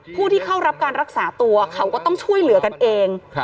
ผู้ที่เข้ารับการรักษาตัวเขาก็ต้องช่วยเหลือกันเอง